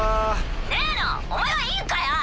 ヌーノお前はいいんかよ